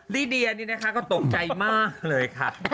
ลิเดียนี่นะคะก็ตกใจมากเลยค่ะ